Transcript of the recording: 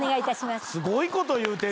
すごいこと言うてる。